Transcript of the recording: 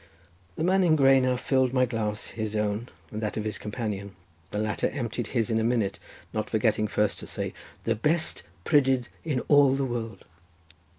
The man in grey now filled my glass, his own and that of his companion. The latter emptied his in a minute, not forgetting first to say "the best prydydd in all the world!"